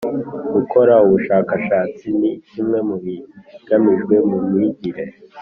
gukora ubushakashatsi ni kimwe mu bigamijwe mu myigire